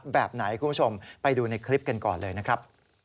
แบบไหนคุณผู้ชมไปดูในคลิปกันก่อนเลยนะครับ